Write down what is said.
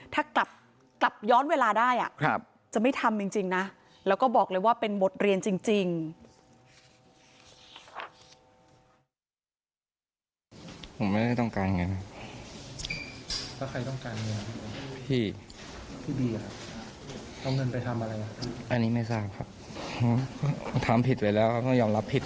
ถ้ากลับย้อนเวลาได้จะไม่ทำจริงนะแล้วก็บอกเลยว่าเป็นบทเรียนจริง